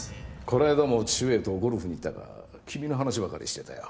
この間もお父上とゴルフに行ったが君の話ばかりしてたよ